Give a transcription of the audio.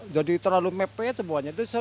jadi terlalu mepet semuanya